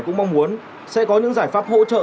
cũng mong muốn sẽ có những giải pháp hỗ trợ